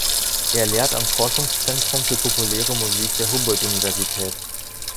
Er lehrt am Forschungszentrum für Populäre Musik der Humboldt-Universität.